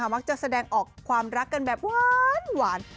มักจะแสดงออกความรักกันแบบหวาน